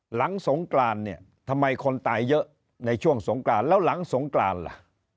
หลังสงกรานเนี่ยทำไมคนตายเยอะในช่วงสงกรานแล้วหลังสงกรานล่ะ